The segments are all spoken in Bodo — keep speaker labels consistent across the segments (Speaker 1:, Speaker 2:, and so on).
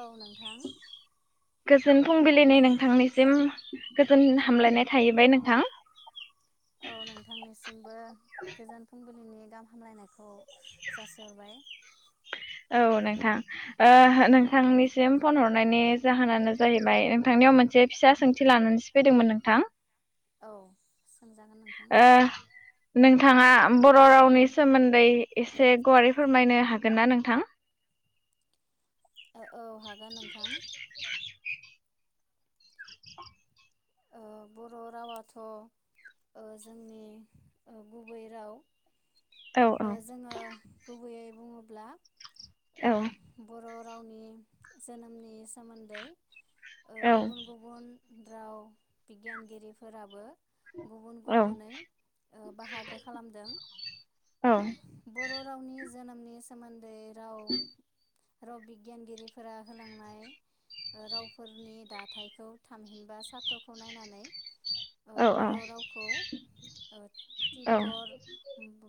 Speaker 1: औ नोंथां
Speaker 2: गोजोन फुंबिलिनि नोंथांनिसिम गोजोन हामलायनाय थाहैबाय नोंथां।
Speaker 1: औ नोंथांनिसिम बो गोजोन फुंबिलिनि गाहाम हामलायनायखौ जासिहरबाय।
Speaker 2: औ नोंथां ओ नोंथांनिसिम फन हरनायनि जाहोनानो जाहैबाय नोंथांनियाव मोनसे फिसा सोंथि लानानैसो फैदोंमोन नोंथां
Speaker 1: औ जागोन नोंथां
Speaker 2: ओ नोंथाङा बर रावनि सोमोन्दै एसे गुवारै फोरमायनो हागोन ना नोंथां?
Speaker 1: औ हागोन नोंथां ओ बर रावाथ ओ जोंनि गुबै राव
Speaker 2: औ
Speaker 1: ओ जोङो गुबैयै बुङोब्ला
Speaker 2: औ
Speaker 1: ओ [unintelligible] बर रावनि जोनोमनि सोमोन्दै ओ
Speaker 2: औ
Speaker 1: गुबुन गुबुन दाउ बिगियानगिरिफोराबो गुबुन
Speaker 2: औ
Speaker 1: गुबुनै उ बाहागो खालामदों
Speaker 2: औ
Speaker 1: उ बर' रावनि जोनोमनि सोमोन्दै राव
Speaker 2: [inaudible]
Speaker 1: राव बिगियानगिरिफोरा होलांनाय ओ रावफोरनि दाथायखौ थामहिनबा सा फटखौ नायनानै औ बर रावखौ उ टिब्बर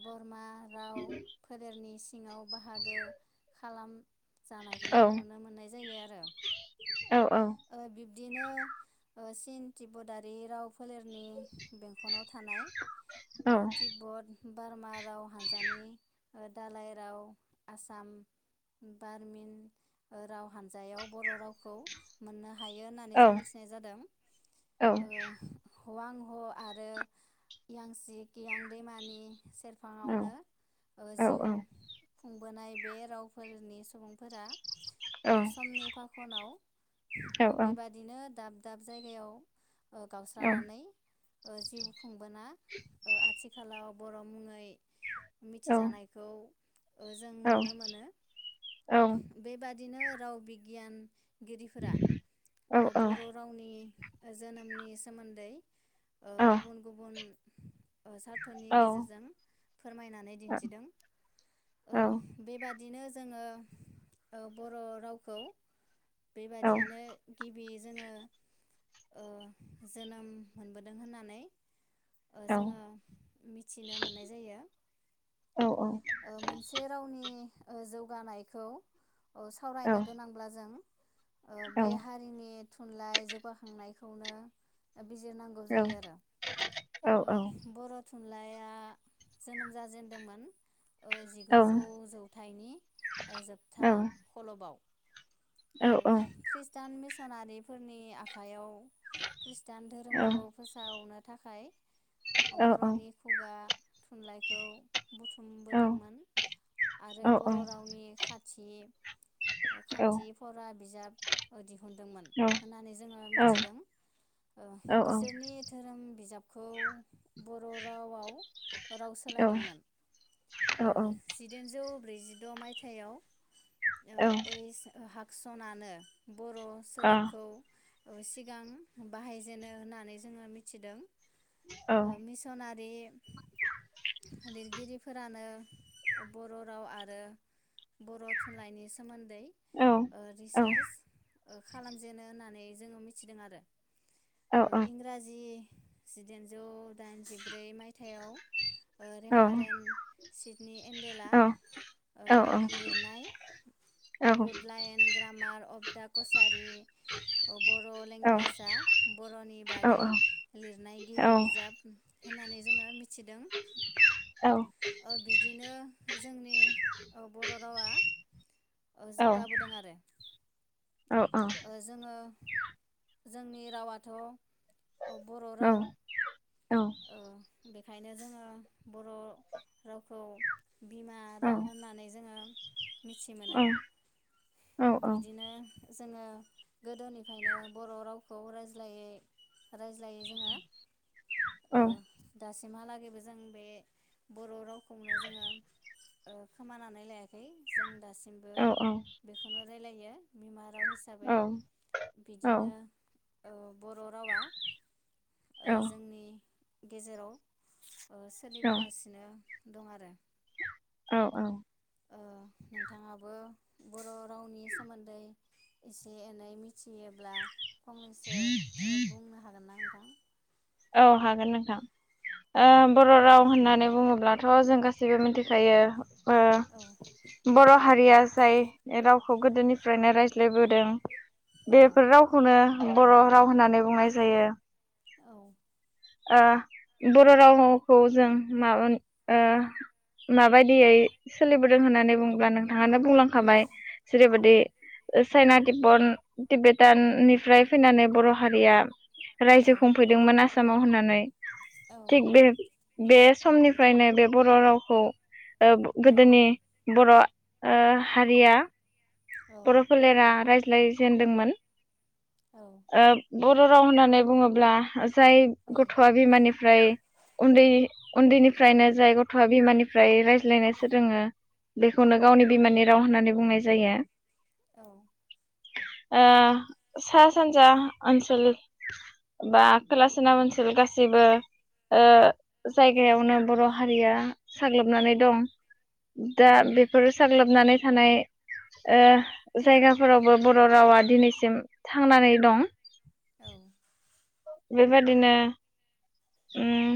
Speaker 1: बरमा राव फोरेनि सि सिङाव बाहागो खालाम
Speaker 2: औ
Speaker 1: जानायखौ नुनो मोननाय जायो आरो
Speaker 2: औ
Speaker 1: ओ बिब्दिनो ओ सिन तटिब्बदारि राव फोलेरनि बेंखनाव थानाय
Speaker 2: औ
Speaker 1: ओ टिब्बड बारमा राव हानजानि ओ दालाय राव आसाम बारमिन राव हान्जायाव बर' रावखौ मोननो हायो होननानै
Speaker 2: औ
Speaker 1: जों मिथिनाय जादों उह हवां ह आरो इयांसिकियां दैमानि सेरफाङावनो उ जिउ खुंबोनाय बे रावफोरनि सुबुंफोरा ओ समनि फाखनाव अ
Speaker 2: औ
Speaker 1: बेबादिनो दाब दाब जायगायाव ओ गावस्रानानै ओ जिउ खुंबोना ओ आथिखालाव बर मुङै मिथिजानायखौ ओ जों नुनो मोनो बेबादि दिनो राव बिगियान गिरिफोरा
Speaker 2: औ
Speaker 1: ओ
Speaker 2: औ
Speaker 1: बर' रावनि नि जोनोमनि सोमोन्दै ओ
Speaker 2: औ
Speaker 1: गुबुन गुबुन ओ
Speaker 2: औ
Speaker 1: सार्थनि गेजेरजों फोरमायनानै दिन्थिदों ओ बेबादि बिदिनो जोङो ओ बर' रावखौ बेबा बिदिनो गि बे जोङो ओ जोनोम मोनबोदों होननानै ओ जोङो मिथिनो मोननाय जायो ओ मोनसे रावनि ओ जौगानायखौ औ सावरायनो गोनांब्ला जों। ओ बे हारिनि थुनलाइ जौगाखांनायखौनो। बिजिरनांगौ जायो आरो
Speaker 2: औ
Speaker 1: ओ बर'थुन थुनलााया जोनोम जाजेेनदोंमोन। ओ जिगुजौ जौथाइनि ओ
Speaker 2: औ
Speaker 1: जोबथा
Speaker 2: आ
Speaker 1: खलबाव।
Speaker 2: औ
Speaker 1: ओ
Speaker 2: औ
Speaker 1: खृष्टान मिसनारिफोरनि आखायाव खृष्टान धोरोमखौ फोसावनो थाखाय अ बर'नि खुगा थुनलाइखौ बुथुमबोदोंमोन आरो बर' रावनि खाथ जि खान्थिफरा बिजाब अदि नुदोंमोन होननानै जोङो मिथिदों ओ बिसोरनि धोरोम बिजाब खौ बद बर' रावआव राव सोलायदोंमोन ओ जिदाइनजौ ब्रैजिद मायथाइयाव ओ एस हाब सनानो। बर' सोदोबखौ ओ सिगां बाहायजेनो होननानै जोङो मिथिदों। ओ मिसनाथ बे लिरगिरिफोरानो बर'राव आरो बर' थुनलाइनि सोमोन्दै ओ रिसार्च ओ खालामजेनो होननानै जोङो मिथिदों आरो ओ इंराजि जिदाइनजौ दाइनजिब्रै मायथाइयाव ओ रेफारेन्ट सिडनि एन्डेला ओ लिरनाय आउट लायोन ग्रामार अफ दा कसा रि ओ बर' लेंगुवेजआ बर'नि बागै लिरनाय गिबि बिजाब होननानै जोङो मिथिदों। ओ बिदिनो जोंनि औ बर' रावा ओ जौगाबोदों आरो। ओ जोङो जोंनि रावाथ' औ बर' राव ओ बेखायनो जोङो बर' रावखौ बिमा राव होननानै जोङो मिथि मोनो बिदिनो जोङो गोदोनिफ्रायनो बर' रावखौ रायज्लायै रायज्लायै जोङो ओ दास सिमहालागैबो जों बे बर' रावखौनो जोङो ओ खोमानानै लायाखै जों दासिमबो बेखौनो रायलायो बिमा राव हिसाबै बिदिनो औ बर' रावा ओ जोंनि गेजेराव ओ सोलिबोगासिनो दं आरो
Speaker 2: औ औ
Speaker 1: ओ नोंथाङाबो बर' रावनि सोमोन्दै एसे एनै मि थियोब्ला फंनैसो ओ बुंनो हागोन ना नों ना
Speaker 2: औ हागोन नोंथां। ओ बर' राव होनना नै बुङोब्लाथ' जों गासैबो मिथिखायो। ओ
Speaker 1: औ
Speaker 2: बर' हारिया जाय रावखौ गोदोनिफ्रायनो रायज्लायबोदों।
Speaker 1: औ
Speaker 2: बेफोर रावखौनो। बर' राव होननानै बुंनाय जायो।
Speaker 1: औ।
Speaker 2: ओ बर' रावखौ जों माब माबायदियै सोलिबोदों होननानै बुङोब्ला नोंथाङानो बुंलांखाबाय जेरैबायाददि। चाइना तिबन टिबेटाननिफ्राय फैनानै बर' हारिया
Speaker 1: औ
Speaker 2: रायजो खुंफैदोंमोन ना। होननायै। थिग बे। बे समनिफ्रायनो बे बर' रावखौ।
Speaker 1: औ
Speaker 2: गोदोनि बर'। हारिया। बर' फलेरा। बिलाय जेेनदोंमोन।
Speaker 1: औ
Speaker 2: ओ। बर' राव होननानै बुङोब्ला। जाय
Speaker 1: औ
Speaker 2: गथआ बिमानि ओमफ्राय उन्दै उन्दैनिफ्रायनो जाय गथआ बिमानिफ्राय रायज्लायनो सोङो बेखौनो गावनि बिमानि राव होननानै बुंनाय जायो।
Speaker 1: औ।
Speaker 2: ओ सा सानजा ओनसोल बा खोलासोना ओनसोल गासैबो। जायगायावनो बर' हारिया। साग्लोबनानै दं। दा बेफोरो साग्लोबनानै। थानाय। जायगाफोरावबो बर' रावा दिनैसिम थांनानै दं।
Speaker 1: औ।
Speaker 2: बेबायदिनो उम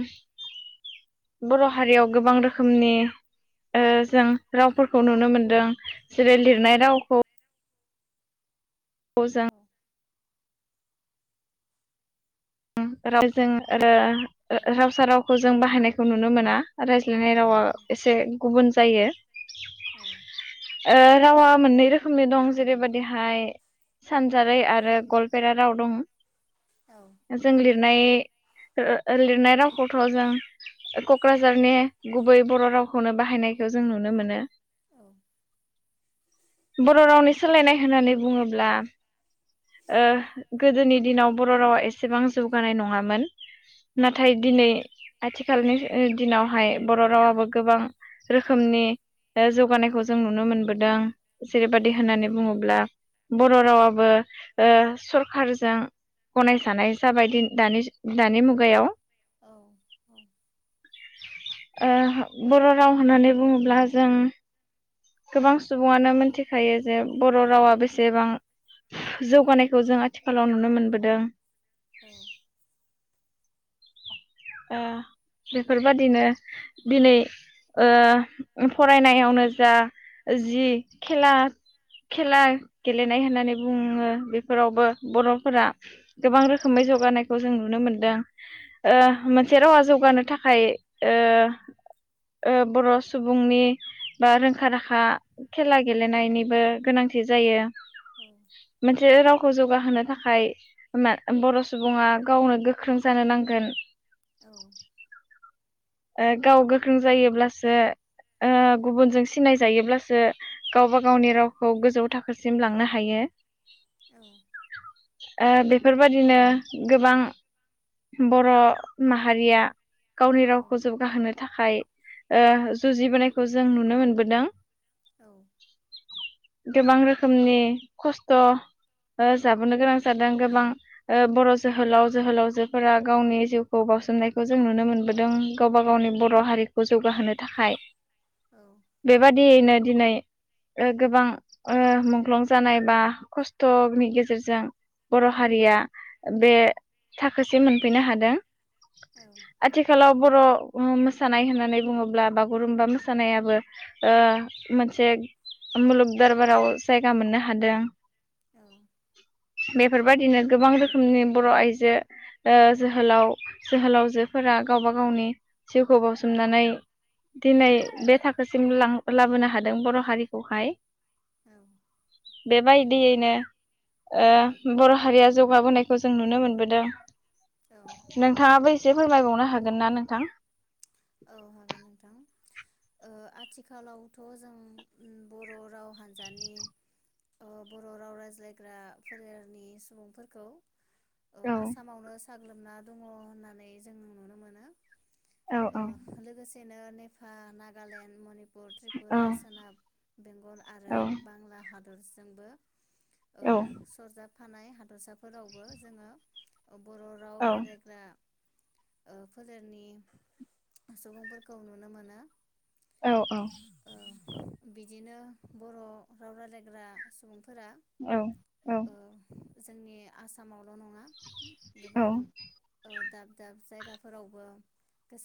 Speaker 2: बर' हारियाव गोबां रोखोमनि। जों रावफोरखौ। खौ नुनो मोन्दों। जेरै लिरनाय रावखौ। [unintelligible] [unintelligible] ओ ओ [unintelligible] रावखौ जों बाहायनाय। नुनो मोना राइ लिरनाय रावा एसे गुबुन जायो ओ रावा। मोननै रोखोमनि दं जेरैबादिहाय सानजारै आरो गलपेरा राव दं।
Speaker 1: औ
Speaker 2: जों लिरनाय ओ लिरनाय रावखौथ जों कक्राझारनि गुबै बर रावखौनो बाहायनायखौ जों नुनो मोनो
Speaker 1: औ
Speaker 2: बर रावनि सोलायनाय होननानै बुङोब्ला ओ गोदोनि दिनाव बर' रावा एस सेबां जौगानाय नङामोन
Speaker 1: औ
Speaker 2: नाथाय दिनै आथिखालनि ओ दिनावहाय बर रावाबो गोबां रोखोमनि
Speaker 1: औ
Speaker 2: जौगानायखौ जों नुनो मोनबोदों
Speaker 1: औ
Speaker 2: जेरैबायदि होननानै बुङोब्ला बर' रावाबो ओ सरखारजों गनायजानाय जाबाय दि दानि दानि मुगायाव
Speaker 1: औ औ
Speaker 2: ओ बर राव होननानै बुङोब्ला जों गोबां सुबुङानो मोनथिखायो जे बर‌'
Speaker 1: औ
Speaker 2: रावा बेसेबां जौगानायखौ जों आथिखालाव नुनो मोनबोदों।
Speaker 1: औ
Speaker 2: ओ बेफोरबादिनो दिनै ओ फरायनायावनो जा जि खेला खेला गेलेनाय होननानै बुङो बेफोरावबो बरफोरा गोबां
Speaker 1: औ
Speaker 2: रोखोमै जौगानायखौ जों नुनो मोन दों
Speaker 1: औ
Speaker 2: ओ रावा जौगानो थाखाय ओ ओ बर' सुबुंनि बा रोंखा राखा खेला गेलेनायनिबो गोनांथि जायो मोनसेे राव खौ जौगाहोनो थाखाय बर' सुबुङा गावनो गोख्रों जानो नांगोन
Speaker 1: औ
Speaker 2: ओ गाव गोख्रों जायोब्लासो ओ गुबुनजों सिनायजायोब्लासो गावबा गावनि रावखौ गोजौ थाखो सिम लांनो हायो।
Speaker 1: औ
Speaker 2: ओ बेफोरबायदिनो गोबां बर' माहारिया गावनि रावखौ जौगाहोनो थाखाय ओ जुजिबोनायखौ जों नुनो मोनबोदों।
Speaker 1: औ
Speaker 2: गोबां रोखोमनि खस्थ' जाबोनो गोनां जादों, गोबां बर जोहोलाव जोहोलावजोफोरा गावनि जिउ खौ बाउसोमनायखौ जों नुनो मोनबोदों गावबा गावनि बर' हारि खौ जौगाहोनो थाखाय। बेबादियैनो दिनै ओ गोबां ओ मुंख्लं जानाय बा खस्थनि गेजेरजों बर' हारिया बे थाखोसिम मोनफैनो हादों। आथिखालाव बर' मोसानाय होननानै बुङोब्ला बागुरुम्बा मोसानायाबो ओ मोनसे मुलुग दरबाराव जायगा मोननो हादों।
Speaker 1: औ
Speaker 2: बेफोरबायदिनो गोबां रोखोमनि बर आइजो ओ जोहोलाव जोहोलावजोफोरा गावबा गावनि जिउखौ बाउसोमनानै दिनै बे थाखोसिम लां लाबोनो हादों बर हारिखौहाय [inaudible] बेबायदियैनो ओ बर हारिया जौगाबोनायखौ जों नुनो मोनबोदों।
Speaker 1: औ
Speaker 2: नोंथाङाबो एसे फोरमायबावनो हागोन ना नोंथां
Speaker 1: औ हागोन नोंथां ओ आथिखालावथ जों बर राव हान्जानि बर राव रायज्लायग्रा फोलेरनि सुबुंफोरखौ ओ
Speaker 2: औ
Speaker 1: आसामावनो साग्लोबना दङ होननानै जों नुनो मोनो
Speaker 2: औ औ
Speaker 1: लोगोसे दिनो नेपाल नागालेण्ड मनिपुर
Speaker 2: औ
Speaker 1: त्रिपुरा सोनाब बेंगल आरो बांला हादरजोंबो ओ
Speaker 2: औ
Speaker 1: सरजाब थानाय हादरसाफोरावबो जोङो बर राव
Speaker 2: औ
Speaker 1: रालायग्रा ओ फोलेरनि सुबुंफोरखौ नुनो मोनो
Speaker 2: औ औ
Speaker 1: ओ बिदिनो बर राव रायलायग्रा सुबुं फोरा
Speaker 2: औ औ
Speaker 1: जोंनि आसामाव ल नंङा गोबां दाब दाब जायगाफोरावबो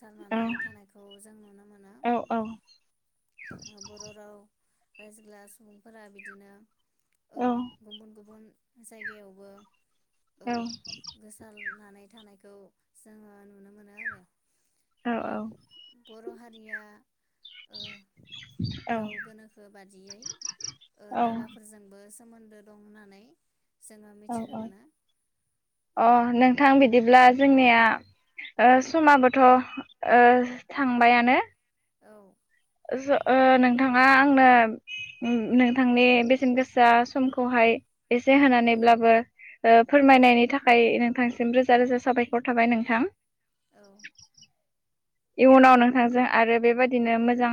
Speaker 1: थांनानै थानायखौ जों नुनो मोनो
Speaker 2: औ
Speaker 1: बर राव रायजोला सुबुंफोरा बिदिनो ओ गुबुन गुबुन जायगायावबो
Speaker 2: औ
Speaker 1: नानै थानायखौ जोङो नुनो मोनो आरो बर हारिया ओ राव गोनोखो बादियै ओ
Speaker 2: औ
Speaker 1: नागाफोरजोंबो सोमोन्दो दं होननानै जोङो
Speaker 2: औ
Speaker 1: मिथिनो
Speaker 2: औ
Speaker 1: मोनो
Speaker 2: अ नोंथां बिदिब्ला जोंनिया
Speaker 1: औ
Speaker 2: ओ समाबोथ' ओ थांबायानो
Speaker 1: औ
Speaker 2: जो ओ नोंथाङा आंनो नोंथांनि बेसेन गोसा समखौहाय एसे
Speaker 1: औ
Speaker 2: होनानैब्लाबो ओ
Speaker 1: औ
Speaker 2: फोरमायनायनि थाखाय नोंथां सिम रोजा रोजा साबायखर थाबाय नोंथां
Speaker 1: औ
Speaker 2: इयुनाव
Speaker 1: नोंथां
Speaker 2: नोंथांजों आरो बेबायदि बिदिनो मोजां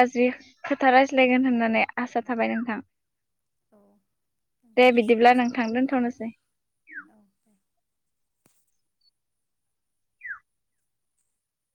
Speaker 2: गाज्रि खोथा रायज्लायगोन होननानै आसा थाबाय नोंथां
Speaker 1: औ
Speaker 2: दे बिदिब्ला
Speaker 1: नोंथांसिमबो
Speaker 2: नोंथां
Speaker 1: साबायखर
Speaker 2: दोनथ'नोसै।
Speaker 1: बावहरबाय औ दे